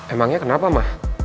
emangnya kenapa mah